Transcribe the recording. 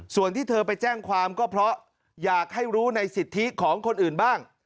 ส่วนที่เธอไปแจ้งความก็เพราะอยากให้รู้ในสิทธิของคนอื่นบ้าง